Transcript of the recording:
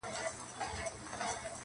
له خوښیو په جامو کي نه ځاېږي,